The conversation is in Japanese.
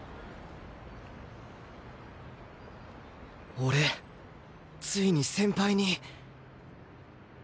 俺ついに先輩に